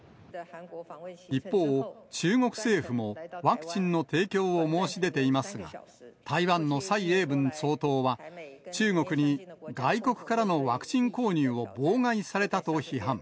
一方、中国政府もワクチンの提供を申し出ていますが、台湾の蔡英文総統は、中国に外国からのワクチン購入を妨害されたと批判。